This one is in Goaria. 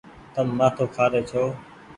تم مآٿو کآري ڇو۔